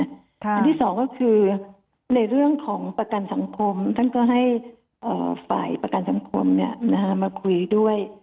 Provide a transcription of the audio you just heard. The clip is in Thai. อันที่สองก็คือในเรื่องของประกันสังคมท่านก็ให้ฝ่ายประกันสังคมมาคุยด้วย